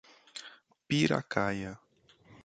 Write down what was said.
Piracaia